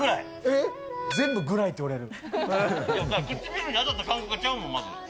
全部、ぐらいって言われる。